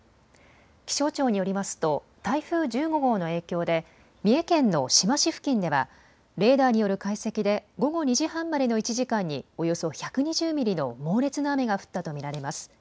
気象庁によりますと台風１５号の影響で三重県の志摩市付近ではレーダーによる解析で午後２時半までの１時間におよそ１２０ミリの猛烈な雨が降ったと見られます。